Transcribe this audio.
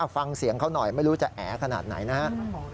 ฟังเสียงเขาหน่อยไม่รู้จะแอขนาดไหนนะครับ